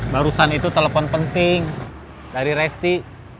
barusan itu telepon penting dari resti